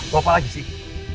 gak apa apa lagi sih